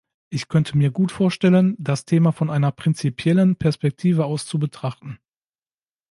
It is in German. Ich könnte mir gut vorstellen, das Thema von einer prinzipiellen Perspektive aus zu betrachten.